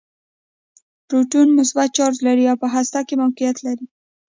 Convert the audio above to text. پروټون مثبت چارچ لري او په هسته کې موقعیت لري.